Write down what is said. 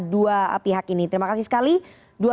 dua pihak ini terima kasih sekali